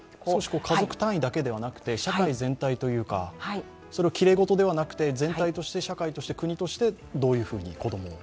家族単位だけではなくて、社会全体というかきれいごとではなくて、全体として社会として国としてどういうふうに子供を。